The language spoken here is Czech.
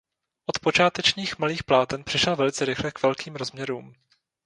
Od počátečních malých pláten přešel velice rychle k velkým rozměrům.